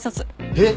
えっ！